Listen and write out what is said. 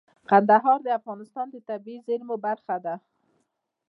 کندهار د افغانستان د طبیعي زیرمو برخه ده.